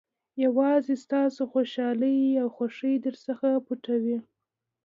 یوازې ستاسو خوشالۍ او خوښۍ درڅخه پټوي.